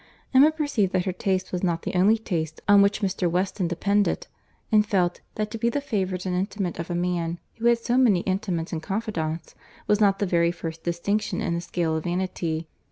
Emma perceived that her taste was not the only taste on which Mr. Weston depended, and felt, that to be the favourite and intimate of a man who had so many intimates and confidantes, was not the very first distinction in the scale of vanity.